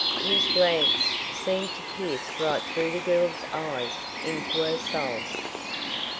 His glance seemed to pierce right through the girl's eyes into her soul.